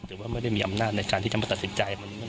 หรือว่าไม่ได้มีอำนาจในการที่จะมาตัดสินใจ